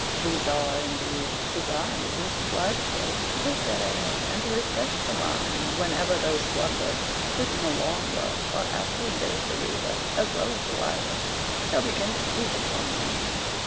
These are, indeed, designed to supply the place of the said ale, and to refresh the mind, whenever those slumbers, which in a long work are apt to invade the reader as well as the writer, shall begin to creep upon him.